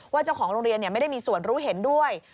เจ้าของโรงเรียนไม่ได้มีส่วนรู้เห็นด้วย